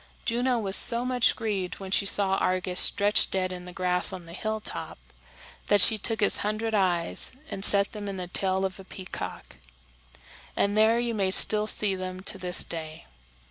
Juno was so much grieved when she saw Argus stretched dead in the grass on the hilltop, that she took his hundred eyes and set them in the tail of a peacock; and there you may still see them to this day.